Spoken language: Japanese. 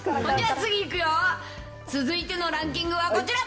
次いくよ、続いてのランキングはこちら。